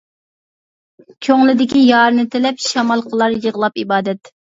كۆڭلىدىكى يارىنى تىلەپ، شامال قىلار يىغلاپ ئىبادەت.